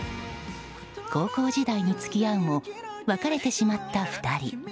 高校時代に付き合うも別れてしまった２人。